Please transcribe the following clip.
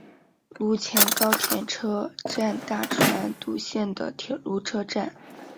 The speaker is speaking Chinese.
陆前高田车站大船渡线的铁路车站。